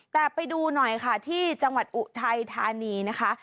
แต่ไปดูหน่อยค่ะที่จังหวัดอุทัยธานีนะคะ